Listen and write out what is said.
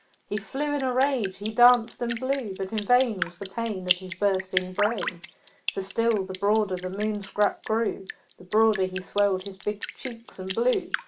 He flew in a rage he danced and blew; But in vain Was the pain Of his bursting brain; For still the broader the Moon scrap grew, The broader he swelled his big cheeks and blew.